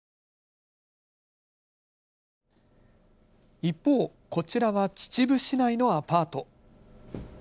一方こちらは秩父市内のアパート。